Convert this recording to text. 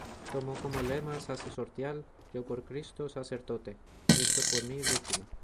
Tomó como lema sacerdotal: "Yo por Cristo sacerdote, Cristo por mi víctima".